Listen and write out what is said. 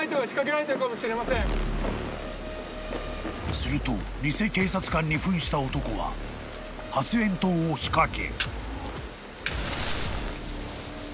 ［すると偽警察官に扮した男は発炎筒を仕掛け］